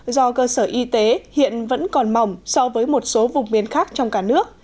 do cơ sở y tế hiện vẫn còn mỏng so với một số vùng miền khác trong cả nước